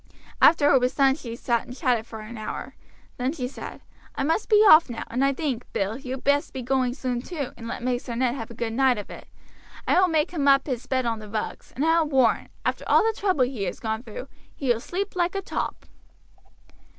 After it was done she sat and chatted for an hour. Then she said: "I must be off now, and I think, Bill, you'd best be going soon too, and let Maister Ned have a good night of it. I will make him up his bed on the rugs; and I will warrant, after all the trouble he has gone through, he will sleep like a top."